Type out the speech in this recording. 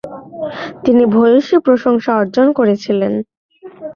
তিনি ভূয়সী প্রশংসা অর্জন করেছিলেন।